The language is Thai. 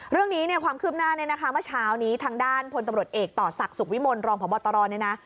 เรื่องนี้เนี่ยความคืบหน้าเนี่ยนะคะเมื่อเช้านี้ทางด้านพลตำรวจเอกต่อศักดิ์สุขวิมลรองพบตรเนี่ยนะ